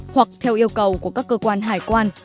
hoặc theo yêu cầu của các cơ quan hải quan